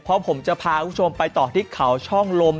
เพราะผมจะพาคุณผู้ชมไปต่อที่เขาช่องลม